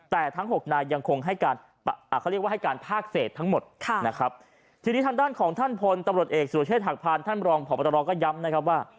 แต่ทั้ง๖นายยังคงให้การพากเศษทั้งหมดนะครับทีนี้ทางด้านของท่านพลตำรวจเอกสวชเชษฐกภัณฑ์ท่านรองผอมตรรองก็ย้ำนะครับว่า